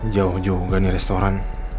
jauh jauh nggak nih restoran